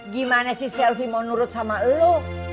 gimana si selfie mau nurut sama lu